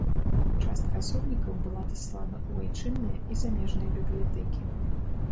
Частка асобнікаў была даслана ў айчынныя і замежныя бібліятэкі.